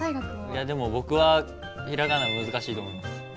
いやでも僕は平仮名難しいと思います。